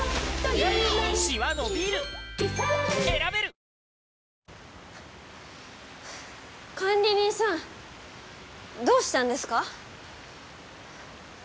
東京海上日動管理人さんどうしたんですか？